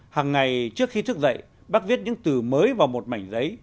hàng ngày trước khi thức dậy bác viết những từ mới vào một mảnh giấy